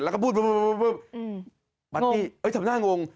แล้วก็พูดบ๊บบบบบาร์ตี้เอ้ยทำงานงง